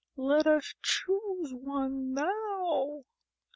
Let us choose one now."